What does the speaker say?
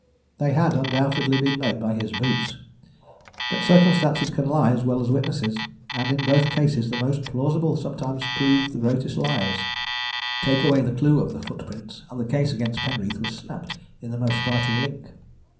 They had undoubtedly been made by his boots, but circumstances can lie as well as witnesses, and in both cases the most plausible sometimes prove the greatest liars. Take away the clue of the footprints, and the case against Penreath was snapped in the most vital link.